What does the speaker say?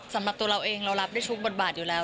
สำหรับตัวเราเองเรารับได้ทุกบทบาทอยู่แล้ว